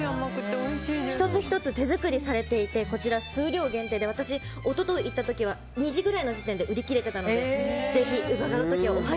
１つ１つ手作りされていて数量限定で私、一昨日に行った時は２時ぐらいの時点で売り切れてたので。